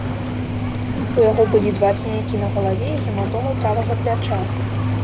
У яго былі два сінякі на галаве і гематома правага пляча.